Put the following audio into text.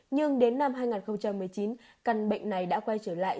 nhưng đến năm hai nghìn một mươi chín căn bệnh này đã quay trở lại